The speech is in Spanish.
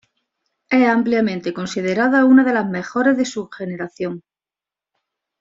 Es ampliamente considerada una de las mejores de su generación.